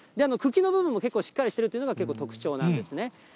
茎の部分も結構しっかりしているというのが、特徴なんですね。